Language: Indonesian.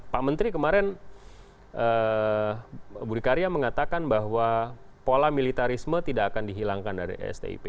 pak menteri kemarin budi karya mengatakan bahwa pola militarisme tidak akan dihilangkan dari stip